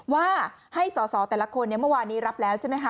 ว่าให้สอสอแต่ละคนเมื่อวานนี้รับแล้วใช่ไหมคะ